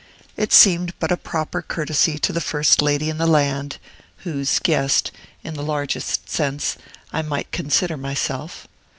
It seemed but a proper courtesy to the first Lady in the land, whose guest, in the largest sense, I might consider myself.